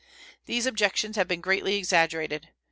These objections have been greatly exaggerated.